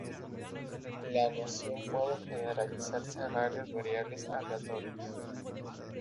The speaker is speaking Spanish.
La noción puede generalizarse a varias variables aleatorias.